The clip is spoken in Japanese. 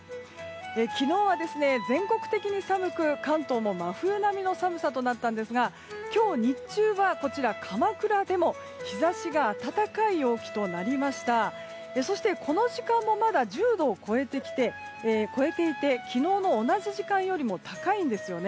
昨日は全国的に寒く関東も真冬並みの寒さになったんですが今日、日中はこちらの鎌倉でも日差しが暖かい陽気となってそしてこの時間もまだ１０度を超えていて昨日の同じ時間よりも高いんですよね。